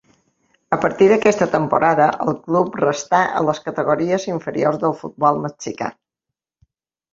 A partir d'aquesta temporada el club restà a les categories inferiors del futbol mexicà.